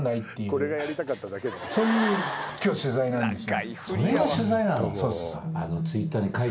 そういう今日取材なんですよ。